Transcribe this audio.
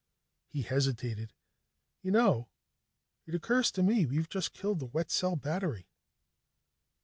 He hesitated. "You know, it occurs to me we've just killed the wet cell battery."